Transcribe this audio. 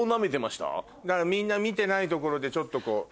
みんな見てないところでちょっとこう。